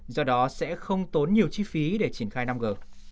do đó sẽ không tốn nhiều chi phí để triển khai năm g